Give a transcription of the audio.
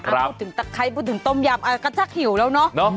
พูดถึงตะไคร้พูดถึงต้มยำก็ชักหิวแล้วเนอะ